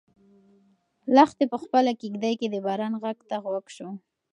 لښتې په خپله کيږدۍ کې د باران غږ ته غوږ شو.